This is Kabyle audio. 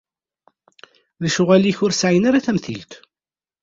Lecɣal-ik ur sɛin ara tamtilt.